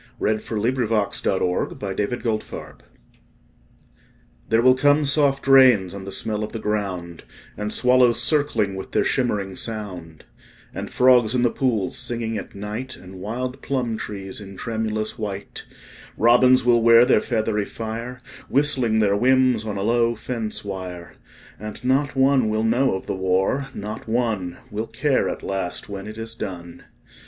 VIII "There Will Come Soft Rains" (War Time) There will come soft rains and the smell of the ground, And swallows circling with their shimmering sound; And frogs in the pools singing at night, And wild plum trees in tremulous white; Robins will wear their feathery fire Whistling their whims on a low fence wire; And not one will know of the war, not one Will care at last when it is done.